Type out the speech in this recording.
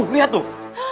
tuh lihat tuh